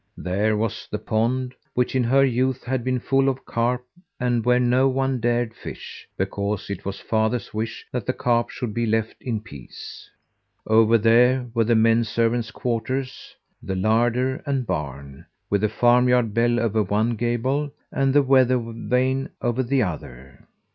There was the pond, which in her youth had been full of carp and where no one dared fish, because it was father's wish that the carp should be left in peace. Over there were the men servants' quarters, the larder and barn, with the farm yard bell over one gable and the weather vane over the other.